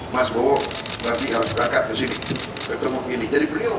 mas bowo tapi harus berangkat ke sini ketemu pilih dari beliau